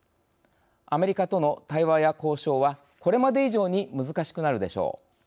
アメリカとの対話や交渉はこれまで以上に難しくなるでしょう。